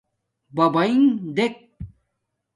بَبݳئݣ دݵک.